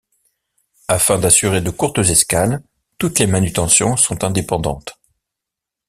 Afin d’assurer de courtes escales, toutes les manutentions sont indépendantes.